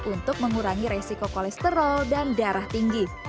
untuk mengurangi resiko kolesterol dan darah tinggi